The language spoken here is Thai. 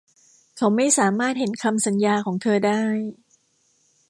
เขาไม่สามารถเห็นคำสัญญาของเธอได้